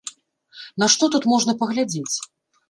На што тут можна паглядзець?